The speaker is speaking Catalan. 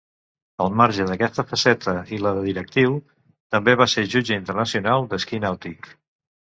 Al marge d’aquesta faceta i la de directiu, també va ser jutge internacional d’esquí nàutic.